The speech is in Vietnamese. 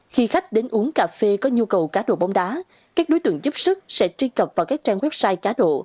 khi khách đến uống cà phê có nhu cầu cá đồ bóng đá các đối tượng giúp sức sẽ truy cập vào các trang website cá độ